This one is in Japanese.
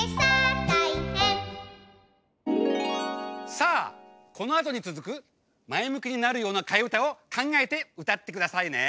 さあこのあとにつづくまえむきになるようなかえうたをかんがえてうたってくださいね。